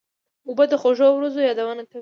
اوبه د خوږو ورځو یادونه کوي.